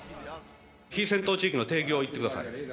非戦闘地域の定義を言ってください。